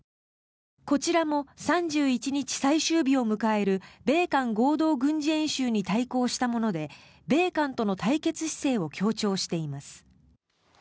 こちらも３１日、最終日を迎える米韓合同軍事演習に対抗したもので米韓との対決姿勢を強調しています。